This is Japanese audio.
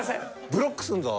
ブロックすんぞ！